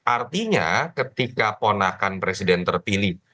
artinya ketika ponakan presiden terpilih